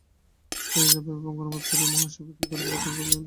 সেটা ছাপাইয়া ও বঙ্গানুবাদ করিয়া মহোৎসবে বিক্রী করিবে, বিতরণ করিলে লোকে পড়ে না।